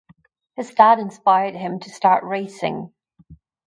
His dad inspired him to start racing.